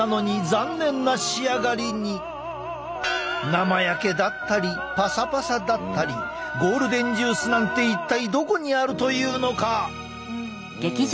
生焼けだったりパサパサだったりゴールデンジュースなんて一体どこにあるというのか。